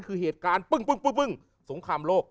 คือเหตุการณ์ปึ้งปึ้งปึ้งปึ้งสงครามโลก